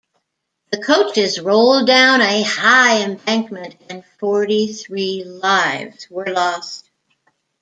The coaches rolled down a high embankment, and forty-three lives were lost.